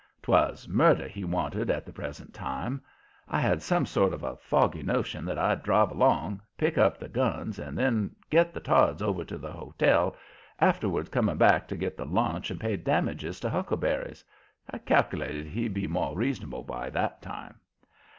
'Twas murder he wanted at the present time. I had some sort of a foggy notion that I'd drive along, pick up the guns and then get the Todds over to the hotel, afterward coming back to get the launch and pay damages to Huckleberries. I cal'lated he'd be more reasonable by that time.